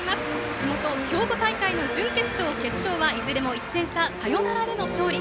地元・兵庫大会の準決勝、決勝は１点差、サヨナラでの勝利。